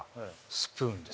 スプーンです